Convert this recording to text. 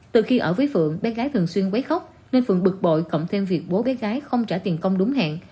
từ khi ở với phượng bé gái thường xuyên quấy khóc nên phược bội cộng thêm việc bố bé gái không trả tiền công đúng hẹn